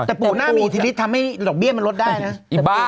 แต่ปูน่ามีอิทธิศทำให้ดอกเบี้ยมันลดได้นะไอ้บ้า